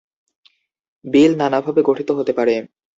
বিল নানাভাবে গঠিত হতে পারে।